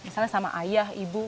misalnya sama ayah ibu